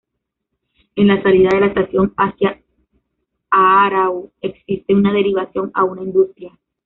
En la salida de la estación hacia Aarau existe una derivación a una industria.